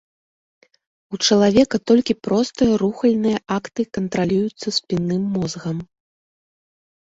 У чалавека толькі простыя рухальныя акты кантралююцца спінным мозгам.